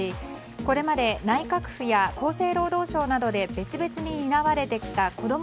これまで内閣府や厚生労働省などで別々に、担われてきたこども